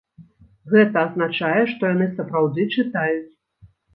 Гэта азначае, што яны сапраўды чытаюць.